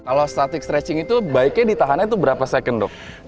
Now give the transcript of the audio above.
kalau static stretching itu baiknya ditahannya itu berapa second dok